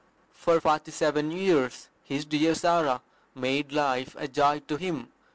For forty seven years "his dear Sarah" made life a joy to him.